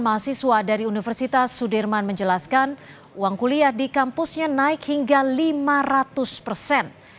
mahasiswa dari universitas sudirman menjelaskan uang kuliah di kampusnya naik hingga lima ratus persen